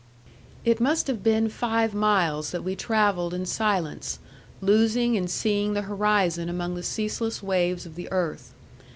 It must have been five miles that we travelled in silence, losing and seeing the horizon among the ceaseless waves of the earth.